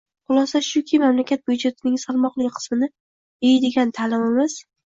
Xulosa shuki, mamlakat byudjetining salmoqli qismini «yeydigan» ta’limimiz